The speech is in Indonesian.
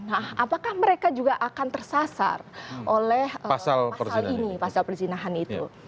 nah apakah mereka juga akan tersasar oleh pasal ini pasal perzinahan itu